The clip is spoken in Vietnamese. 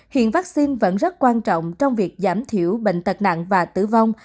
hiện vaccine vẫn rất quan trọng trong việc giảm thiểu bệnh tật nặng và tử vong